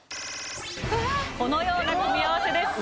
このような組み合わせです。